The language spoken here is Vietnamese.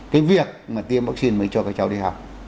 cái việc mà tiêm vaccine mới cho các cháu đi học